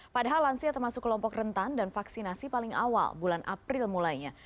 padahal lansia termasuk kelompok rentan dan vaksinasi paling awal bulan april mulainya